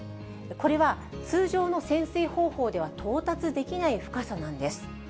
これは、通常の潜水方法では到達できない深さなんです。